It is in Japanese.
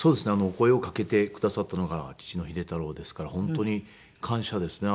声をかけてくださったのが父の秀太郎ですから本当に感謝ですね。